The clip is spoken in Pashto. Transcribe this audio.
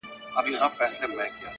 o شېرینو نور له لسټوڼي نه مار باسه؛